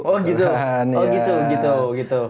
oh gitu oh gitu gitu